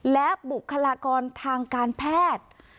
และบุคลากรทางการแพทย์